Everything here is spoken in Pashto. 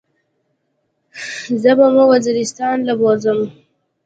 زه به مو وزيرستان له بوزم.